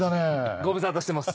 ご無沙汰してます。